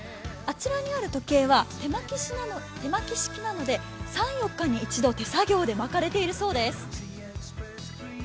あちらにある時計は手巻き式なので３４日に一度、手作業で巻かれているそうです。